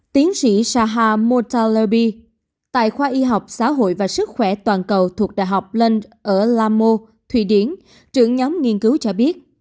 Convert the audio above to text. tiến sĩ shahar murtalibi tại khoa y học xã hội và sức khỏe toàn cầu thuộc đại học london ở lammo thụy điển trưởng nhóm nghiên cứu cho biết